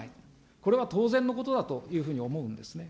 これは当然のことだというふうに思うんですね。